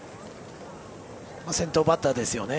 先頭バッターですよね。